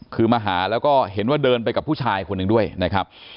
คือมาหาแล้วก็เห็นว่าเดินไปกับผู้ชายคนหนึ่งด้วยนะครับ